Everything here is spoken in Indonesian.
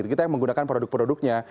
kita yang menggunakan produk produknya